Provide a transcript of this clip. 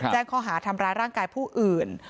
แจ้งข้อหาทำร้ายร่างกายผู้อื่น